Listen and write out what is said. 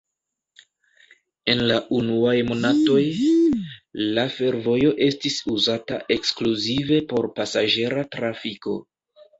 En la unuaj monatoj, la fervojo estis uzata ekskluzive por pasaĝera trafiko.